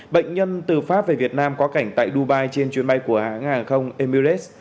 bệnh nhân từ pháp về việt nam quá cảnh tại dubai trên chuyến bay của hãng hàng không emirates